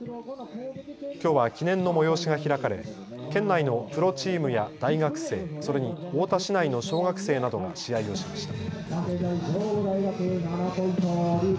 きょうは記念の催しが開かれ県内のプロチームや大学生、それに太田市内の小学生などが試合をしました。